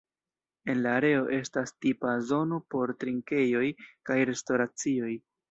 En la areo estas tipa zono por trinkejoj kaj restoracioj.